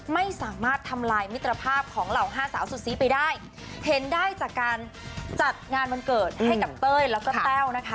ไม่สามารถทำลายมิตรภาพของเหล่าห้าสาวสุดซีไปได้เห็นได้จากการจัดงานวันเกิดให้กับเต้ยแล้วก็แต้วนะคะ